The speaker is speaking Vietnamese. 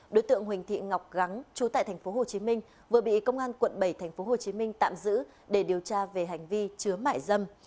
đối tượng huỳnh thị ngọc gắng chú tại tp hcm vừa bị công an quận bảy tp hcm tạm giữ để điều tra về hành vi chứa mại dâm